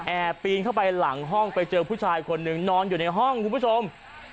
ปีนเข้าไปหลังห้องไปเจอผู้ชายคนหนึ่งนอนอยู่ในห้องคุณผู้ชม